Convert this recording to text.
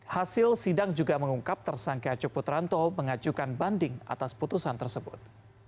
hasil sidang juga mengungkap tersangka acuk putranto mengajukan banding atas putusan tersebut